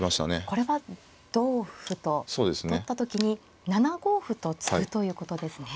これは同歩と取った時に７五歩と突くということですね。